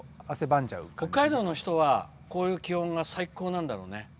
北海道の人は、こういう気温が最高なんだろうね。